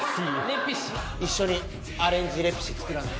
一緒にアレンジレピシ作らない？